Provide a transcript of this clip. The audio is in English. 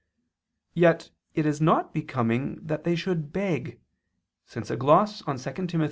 Yet it is not becoming that they should beg, since a gloss on 2 Tim.